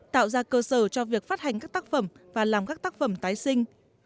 tạo ra cơ sở cho việc phát hành các tác phẩm và làm các tác phẩm tái sinh